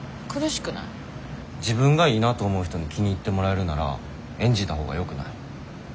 自分がいいなと思う人に気に入ってもらえるなら演じたほうがよくない？